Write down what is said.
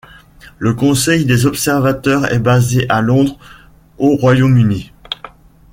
Le Conseil des Observateurs est basé à Londres, au Royaume-Uni.